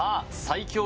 最強